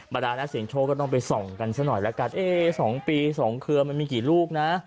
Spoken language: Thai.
ดานักเสียงโชคก็ต้องไปส่องกันซะหน่อยแล้วกัน๒ปี๒เครือมันมีกี่ลูกนะ